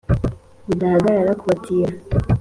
Rudahagarara ku batira